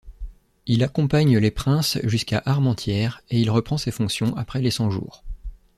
Il accompagne les princes jusqu'à Armentières, et il reprend ses fonctions après les Cent-Jours.